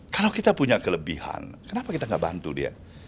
kalau kita punya kelebihan kenapa kita nggak bantu dia